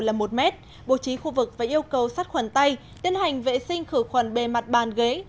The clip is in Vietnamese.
là một mét bố trí khu vực và yêu cầu sắt khuẩn tay tiến hành vệ sinh khử khuẩn bề mặt bàn ghế